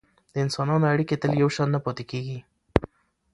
د انسانانو اړیکې تل یو شان نه پاتې کیږي.